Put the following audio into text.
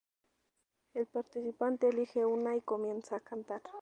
El participante elige una y comienza a cantar.